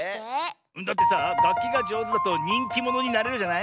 だってさがっきがじょうずだとにんきものになれるじゃない？